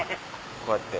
こうやって。